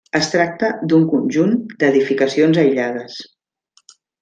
Es tracta d'un conjunt d'edificacions aïllades.